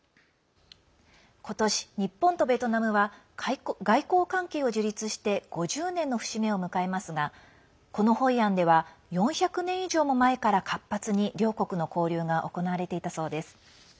今年、日本とベトナムは外交関係を樹立して５０年の節目を迎えますがこのホイアンでは４００年以上も前から活発に両国の交流が行われていたそうです。